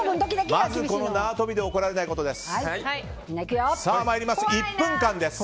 まずこの縄跳びで怒られないことです。